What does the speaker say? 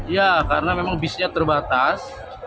ya karena memang bisnya terbatas